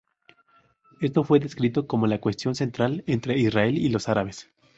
Esto fue descrito como la cuestión central entre Israel y los árabes.